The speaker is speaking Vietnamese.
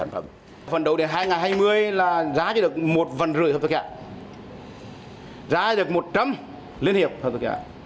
phấn đấu đến hai nghìn hai mươi là giá chỉ được một năm trăm linh hợp tác xã giá chỉ được một trăm linh liên hiệp hợp tác xã